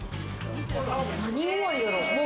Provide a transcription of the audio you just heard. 何終わりだろう？